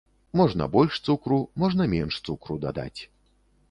Можна больш цукру, можна менш цукру дадаць.